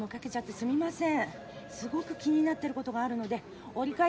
すみません。